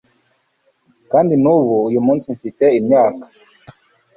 kandi n'ubu uyu munsi mfite imyaka